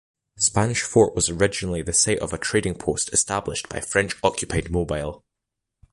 Spanish Fort was originally the site of a trading post established by French-occupied Mobile.